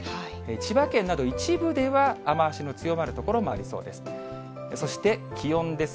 千葉県など一部では、雨足の強まる所もありそうです。